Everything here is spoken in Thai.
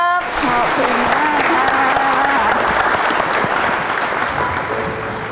ขอบคุณมากค่ะ